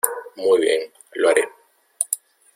Muy bien, lo haré.